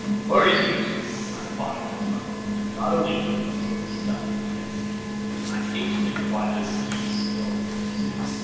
"Worries me, too. I'm fond of that mutt, and God only knows what sort of stuff he's been getting to eat. And I hate to think of why those geeks stole him, too."